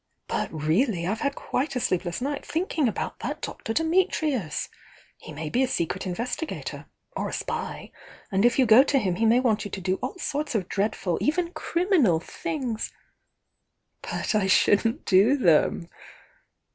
"But really, I've had quite a geepless night thinking about that Dr. Di^^rL^. „^t^l^ l^ '^'"■^* investigator or a spy, and if you go to hun he may want you to do all sorts of dread ful, even criminal things' ' nh'?K* ^ shouldn't do them!"